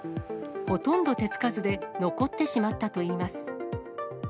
ほとんど手付かずで残ってしまったといいます。